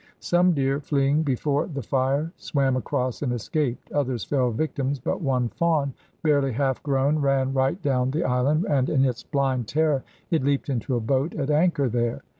Some deer, fleeing before the fire, swam across and escaped, others fell victims, but one fawn, barely half grown, ran right down the island, and in its blind terror it leaped into a boat at anchor there.